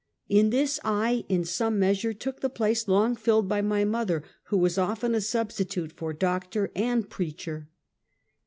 In this, I in some measure took the place long filled by mother, who was often a substitute for doctor and preacher.